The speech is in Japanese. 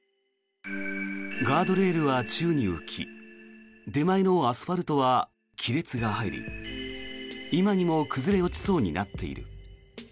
ガードレールは宙に浮き手前のアスファルトは亀裂が入り今にも崩れ落ちそうになっている。